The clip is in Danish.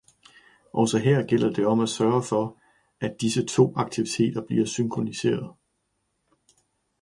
Også her gælder det om at sørge for, at disse to aktiviteter bliver synkroniseret.